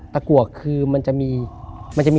ตะกัวคือมันจะมี